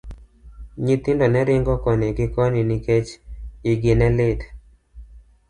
Nyithindo ne ringo koni gi koni nikech igi ne lit.